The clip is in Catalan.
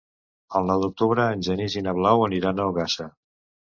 El nou d'octubre en Genís i na Blau aniran a Ogassa.